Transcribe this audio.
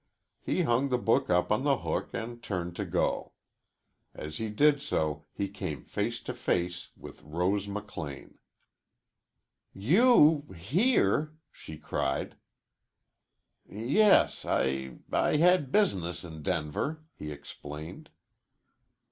He hung the book up on the hook and turned to go. As he did so he came face to face with Rose McLean. "You here!" she cried. "Yes, I I had business in Denver," he explained.